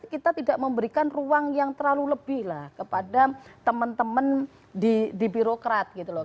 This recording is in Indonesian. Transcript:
kita tidak memberikan ruang yang terlalu lebih lah kepada teman teman di birokrat gitu loh